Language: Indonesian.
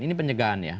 ini pencegahan ya